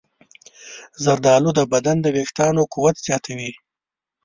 زردالو د بدن د ویښتانو قوت زیاتوي.